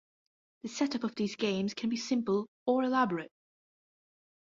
The setup of these games can be simple or elaborate.